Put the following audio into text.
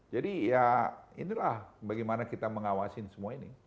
jadi ya inilah bagaimana kita mengawasi semua ini